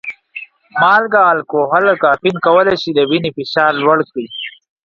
مالګه، الکول او کافین کولی شي د وینې فشار لوړ کړي.